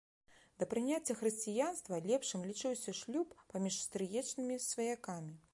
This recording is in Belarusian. Да прыняцця хрысціянства лепшым лічыўся шлюб паміж стрыечнымі сваякамі.